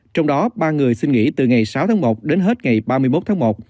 trong đó ba người xin nghỉ từ ngày sáu tháng một đến hết ngày ba mươi một tháng một